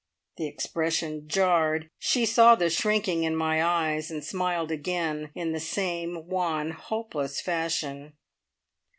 The expression jarred. She saw the shrinking in my eyes, and smiled again, in the same wan, hopeless fashion.